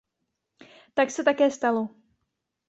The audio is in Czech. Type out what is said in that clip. Tak se také stalo.